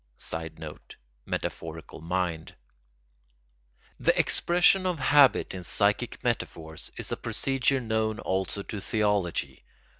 [Sidenote: Metaphorical mind.] The expression of habit in psychic metaphors is a procedure known also to theology.